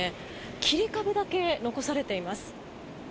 切り株だけ残されています。